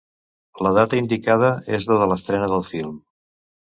La data indicada és la de l'estrena del film.